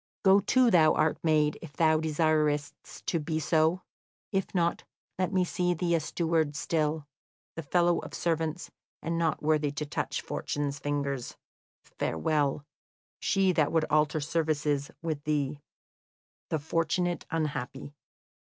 Go to, thou art made, if thou desirest to be so; if not, let me see thee a steward still, the fellow of servants, and not worthy to touch Fortune's fingers. Farewell. She that would alter services with thee, "THE FORTUNATE UNHAPPY."